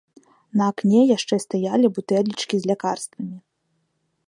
На акне яшчэ стаялі бутэлечкі з лякарствамі.